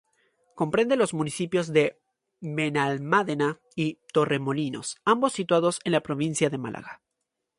Comprende los municipios de Benalmádena y Torremolinos, ambos situados en la provincia de Málaga.